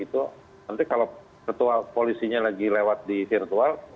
nanti kalau ketua polisinya lagi lewat di virtual